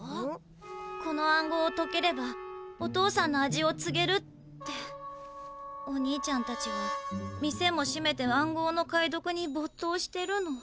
この暗号をとければお父さんの味をつげるってお兄ちゃんたちは店もしめて暗号のかいどくにぼっとうしてるの。